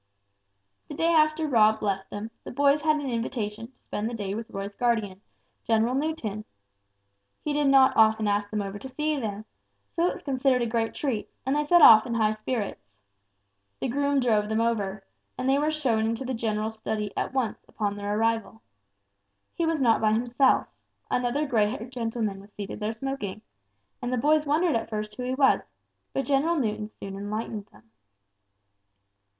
The day after Rob left them, the boys had an invitation to spend the day with Roy's guardian, General Newton. He did not often ask them over to see him, so it was considered a great treat, and they set off in high spirits. The groom drove them over, and they were shown into the general's study at once upon their arrival. He was not by himself; another grey haired gentleman was seated there smoking, and the boys wondered at first who he was, but General Newton soon enlightened them.